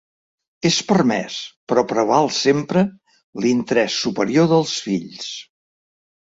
És permès, però preval sempre l’interès superior dels fills.